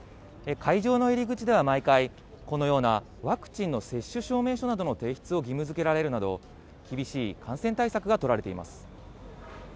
会場の入り口では毎回、このようなワクチンの接種証明書などの提出を義務づけられるなど、厳しい感染対策が取られています。